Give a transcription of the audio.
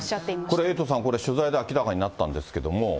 これ、エイトさん、取材で明らかになったんですけれども。